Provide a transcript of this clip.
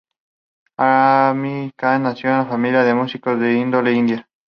Amir Khan nació de una familia de músicos en Indore, India.